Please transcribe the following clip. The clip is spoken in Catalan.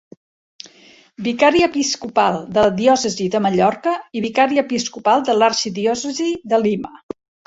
Vicari Episcopal de la diòcesi de Mallorca i Vicari Episcopal de l'Arxidiòcesi de Lima.